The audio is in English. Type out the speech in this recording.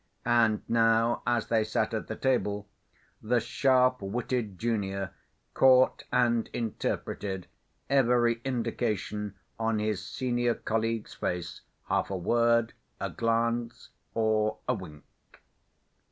And now as they sat at the table, the sharp‐witted junior caught and interpreted every indication on his senior colleague's face—half a word, a glance, or a wink.